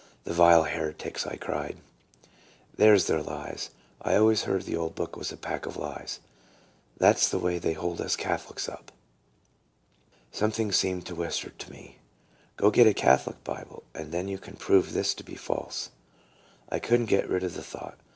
"The vile heretics," I cried; "there's their lies. I always heard the old book was a pack of lies. That 's the way they hold us Catho lics up." Something seemed to whisper to me, " Go get a Catholic Bible, and then you can prove this to be false." I could n't get rid of the thought.